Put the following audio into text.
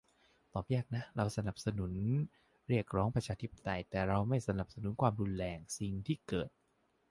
ตอบยากนะ เราสนับสนุนเรียกร้องประชาธิปไตย แต่เราไม่สนับสนุนความรุนแรง สิ่งที่เกิด